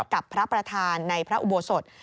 กับพระประธานในพระอุโบสถ